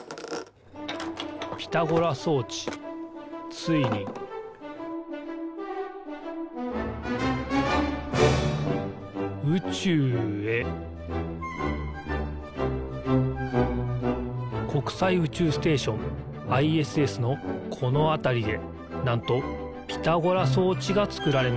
ついに宇宙へ国際宇宙ステーションＩＳＳのこのあたりでなんとピタゴラそうちがつくられました。